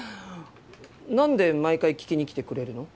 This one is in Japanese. なんで毎回聴きに来てくれるの？